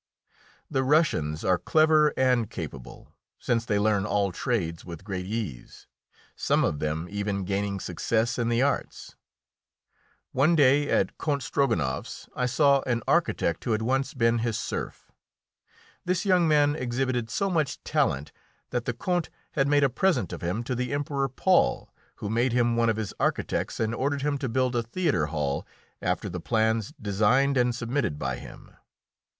The Russians are clever and capable, since they learn all trades with great ease, some of them even gaining success in the arts. One day, at Count Strogonoff's, I saw an architect who had once been his serf. This young man exhibited so much talent that the Count made a present of him to the Emperor Paul, who made him one of his architects and ordered him to build a theatre hall after the plans designed and submitted by him.